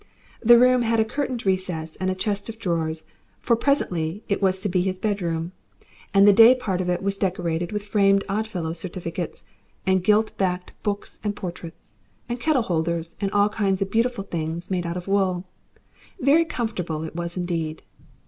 The room had a curtained recess and a chest of drawers, for presently it was to be his bedroom, and the day part of it was decorated with framed Oddfellows' certificates and giltbacked books and portraits, and kettle holders, and all kinds of beautiful things made out of wool; very comfortable it was indeed.